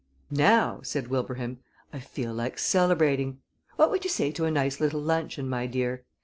"Now," said Wilbraham, "I feel like celebrating. What would you say to a nice little luncheon, my dear?